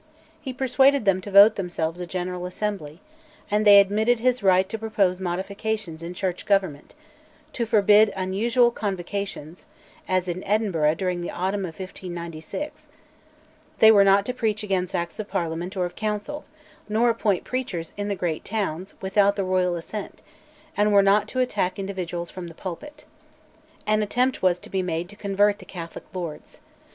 He persuaded them to vote themselves a General Assembly; and they admitted his right to propose modifications in Church government, to forbid unusual convocations (as in Edinburgh during the autumn of 1596); they were not to preach against Acts of Parliament or of Council, nor appoint preachers in the great towns without the Royal assent, and were not to attack individuals from the pulpit. An attempt was to be made to convert the Catholic lords.